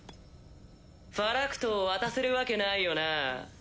ピッ・ファラクトを渡せるわけないよな。